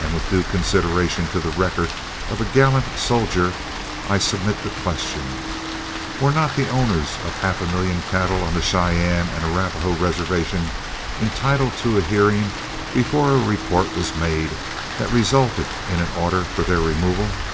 And with due consideration to the record of a gallant soldier, I submit the question, Were not the owners of half a million cattle on the Cheyenne and Arapahoe reservation entitled to a hearing before a report was made that resulted in an order for their removal?